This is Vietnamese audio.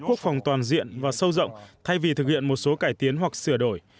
quốc phòng toàn diện và sâu rộng thay vì thực hiện một số cải tiến hoặc sửa đổi